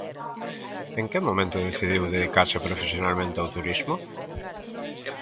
En que momento decidiu dedicarse profesionalmente ao turismo?